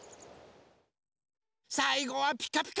さいごは「ピカピカブ！」です。